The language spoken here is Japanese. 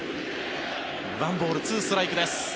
１ボール２ストライクです。